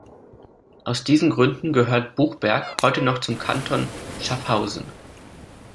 Aus diesen Gründen gehört Buchberg heute noch zum Kanton Schaffhausen.